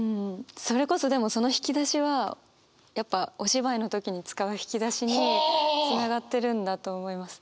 それこそでもその引き出しはやっぱお芝居の時に使う引き出しにつながってるんだと思います。